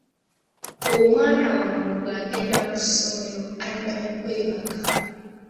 Omwana wammwe bw’agenda ku ssomero adda mu kwebaka.